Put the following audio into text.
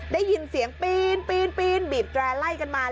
ได้ยินเสียงปีนบีบแตร่ไล่กันมา